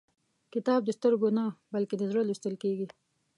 کتاب د سترګو نه، بلکې د زړه لوستل کېږي.